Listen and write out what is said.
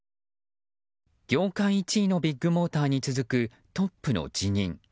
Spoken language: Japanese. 業界１位のビッグモーターに続くトップの辞任。